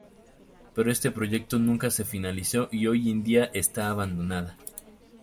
Pero este proyecto nunca se finalizó y hoy en día esta abandonada.